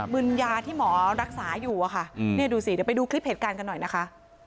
มึนยาที่หมอรักษาอยู่อะค่ะนี่ดูสิเดี๋ยวไปดูคลิปเหตุการณ์กันหน่อยนะคะ